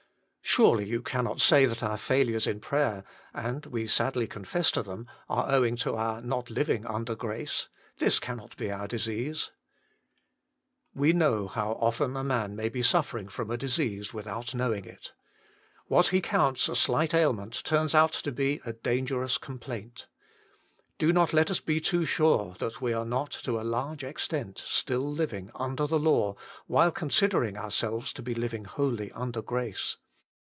Surely you cannot say that our failures in prayer, and we sadly confess to them, are owing to our not living " under grace "? This cannot be our disease. 86 THE MINISTRY OF INTERCESSION We know how often a man may be suffering from a disease without knowing it. What he counts a slight ailment turns out to be a danger ous complaint. Do not let us be too sure that we are not, to a large extent, still living " under the law," while considering ourselves to be living wholly " under grace."